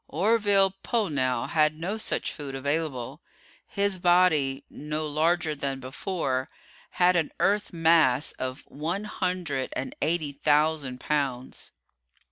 Orville Pollnow had no such food available. His body no larger than before had an Earth mass of one hundred and eighty thousand pounds.